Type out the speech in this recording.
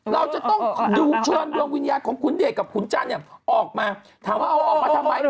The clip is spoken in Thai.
เราจะต้องดูเชิญดวงวิญญาณของขุนเดชกับขุนจันทร์เนี่ยออกมาถามว่าเอาออกมาทำไม